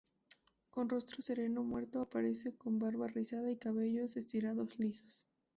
Con rostro sereno, muerto, aparece con barba rizada y cabellos estriados lisos.